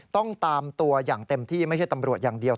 ต้องตามตัวอย่างเต็มที่ไม่ใช่ตำรวจอย่างเดียว